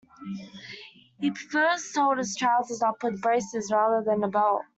He prefers to hold his trousers up with braces rather than a belt